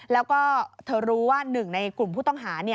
แล้วก็เธอรู้ว่าหนึ่งในกลุ่มผู้ต้องหา